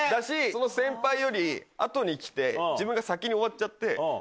その先輩より後に来て自分が先に終わっちゃって。